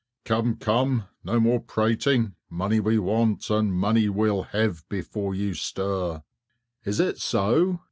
"Come, come, no more prating; money we want, and money we'll have before you stir." "Is it so?"